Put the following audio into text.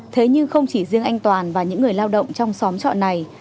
thế nhưng không chỉ riêng anh toàn và những người lao động trong xóm trọ này